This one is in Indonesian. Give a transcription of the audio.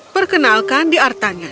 perkenalkan di artangan